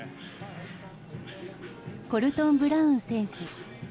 コルトン・ブラウン選手。